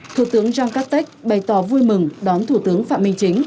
thủ tướng jean castex bày tỏ vui mừng đón thủ tướng phạm minh chính